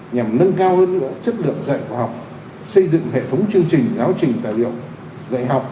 nhằm nâng cao hơn nữa chất lượng dạy và học xây dựng hệ thống chương trình giáo trình tài liệu dạy học